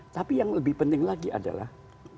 tapi yang lebih penting lagi adalah